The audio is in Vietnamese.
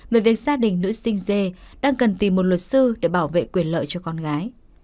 về việc gia đình nữ sinh dê đang cần tìm một luật sư để bảo vệ quyền lợi cho con gái